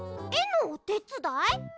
えのおてつだい？